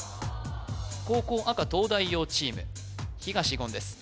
後攻赤東大王チーム東言です